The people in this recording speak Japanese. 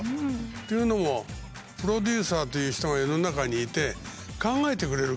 というのもプロデューサーという人が世の中にいて考えてくれるから。